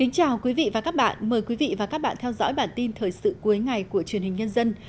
chào mừng quý vị đến với bản tin thời sự cuối ngày của truyền hình nhân dân